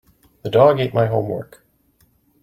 The dog ate my homework.